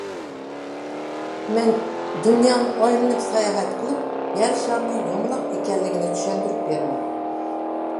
مەن دۇنيانى ئايلىنىپ ساياھەت قىلىپ يەر شارىنىڭ يۇمىلاق ئىكەنلىكىنى چۈشەندۈرۈپ بېرىمەن.